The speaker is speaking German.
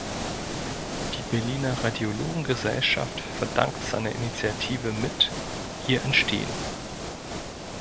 Die Berliner Radiologen-Gesellschaft verdankt seiner Initiative mit ihr Entstehen.